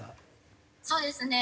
そうですね。